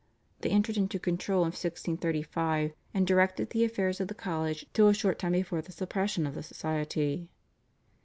They entered into control in 1635, and directed the affairs of the college till a short time before the suppression of the Society.